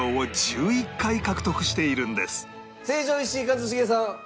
一茂さん。